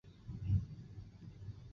承元是日本的年号之一。